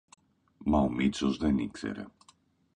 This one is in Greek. Μα ο Μήτσος δεν ήξερε.